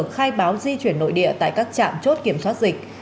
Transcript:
khai báo di chuyển nội địa tại các trạm chốt kiểm soát dịch